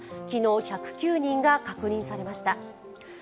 昨日１０９人が確認されました。